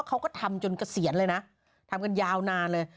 เขาก็ทำจนเกษียณเลยนะทำกันยาวนานเลย